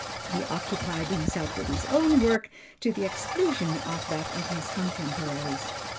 He occupied himself with his own work to the exclusion of that of his contemporaries.